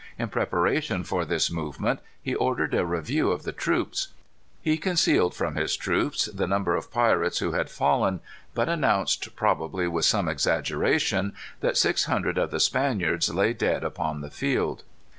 In preparation for this movement he ordered a review of the troops. He concealed from his troops the number of pirates who had fallen, but announced, probably with some exaggeration, that six hundred of the Spaniards lay dead upon the field.